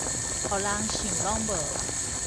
予人想攏無